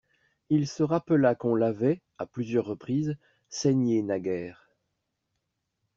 Il se rappela qu'on l'avait, à plusieurs reprises, saignée naguère.